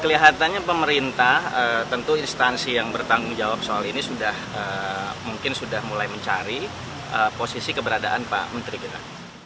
kelihatannya pemerintah tentu instansi yang bertanggung jawab soal ini sudah mungkin sudah mulai mencari posisi keberadaan pak menteri kita